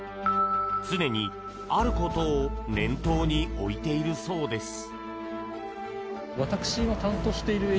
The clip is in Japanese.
常に、あることを念頭に置いているそうです。